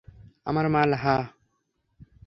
আমার মাল, হাহ?